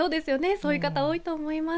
そういう方多いと思います。